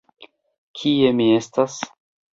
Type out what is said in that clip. Kie mi estas?